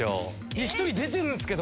１人出てるんですけど。